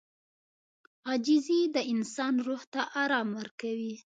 • عاجزي د انسان روح ته آرام ورکوي.